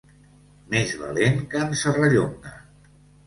Més valent que en Serrallonga.